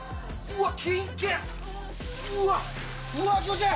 うわっ。